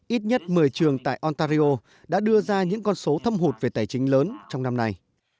ít nhất một mươi trường tại ontario đã đưa ra những con số thâm hụt về tài chính lớn trong năm nay